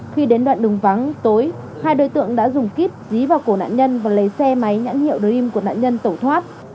khi đến đoạn đùng vắng tối hai đối tượng đã dùng kíp dí vào cổ nạn nhân và lấy xe máy nhãn hiệu đối im của nạn nhân tẩu thoát